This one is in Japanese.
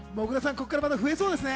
ここからまた増えそうですね。